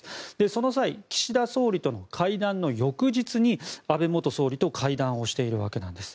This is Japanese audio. その際、岸田総理との会談の翌日に安倍元総理と会談をしているわけなんです。